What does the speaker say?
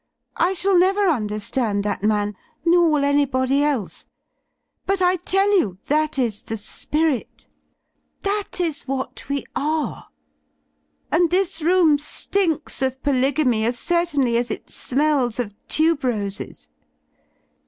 I shall never under stand that man, nor will anybody else. But I tell you that is the spirit That is what we are. And this room stinks of polygamy as certainly as it smells of tube roses."